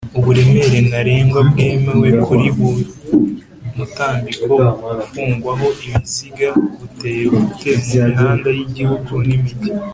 uburemere ntarengwa bwemewe kuri buri mutambiko ufungwaho ibiziga buteye butemu mihanda y’igihugu n’imigi